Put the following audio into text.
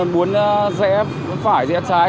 muốn rẽ phải rẽ trái